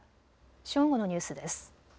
正午のニュースです。